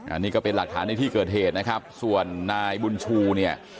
อันนี้ก็เป็นหลักฐานในที่เกิดเหตุนะครับส่วนนายบุญชูเนี่ย